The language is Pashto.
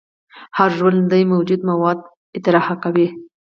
هر ژوندی موجود مواد اطراح کوي